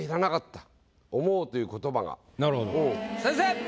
先生！